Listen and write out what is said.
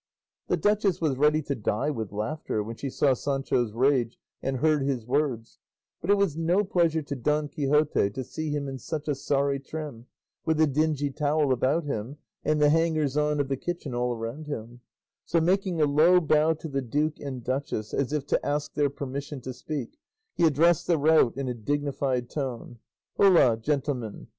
The duchess was ready to die with laughter when she saw Sancho's rage and heard his words; but it was no pleasure to Don Quixote to see him in such a sorry trim, with the dingy towel about him, and the hangers on of the kitchen all round him; so making a low bow to the duke and duchess, as if to ask their permission to speak, he addressed the rout in a dignified tone: "Holloa, gentlemen!